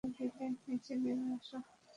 নিচে নেমে আসো!